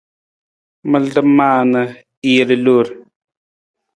Malada maa na i jel i loor.